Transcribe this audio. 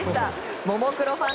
ももクロファン